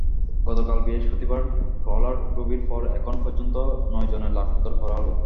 গতকাল বৃহস্পতিবার ট্রলারডুবির পর এখন পর্যন্ত নয়জনের লাশ উদ্ধার করা হলো।